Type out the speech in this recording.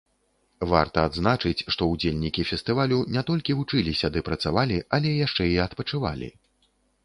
Варта адзначыць, што ўдзельнікі фестывалю не толькі вучыліся ды працавалі, але яшчэ і адпачывалі.